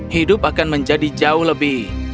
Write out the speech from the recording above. hidup akan menjadi jauh lebih